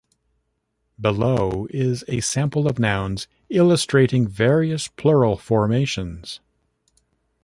Below is a sample of nouns, illustrating various plural formations.